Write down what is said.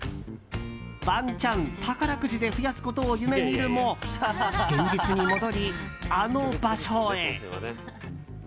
ワンチャン、宝くじで増やすことを夢見るも現実に戻り、あの場所へ。